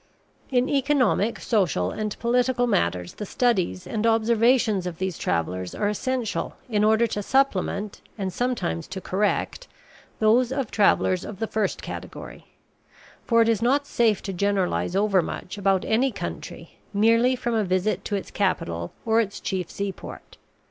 In economic, social, and political matters the studies and observations of these travellers are essential in order to supplement, and sometimes to correct, those of travellers of the first category; for it is not safe to generalize overmuch about any country merely from a visit to its capital or its chief seaport.